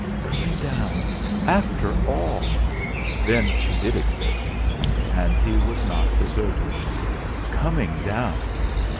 Coming down! After all! Then she did exist and he was not deserted. Coming down!